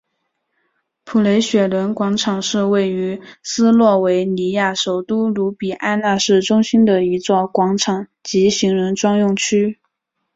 普雷雪伦广场是位于斯洛维尼亚首都卢比安纳市中心的一座广场及行人专用区。